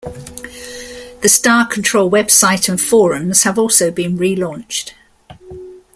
The Star Control website and forums have also been relaunched.